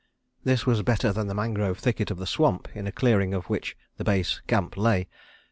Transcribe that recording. This was better than the mangrove thicket of the swamp, in a clearing of which the base camp lay.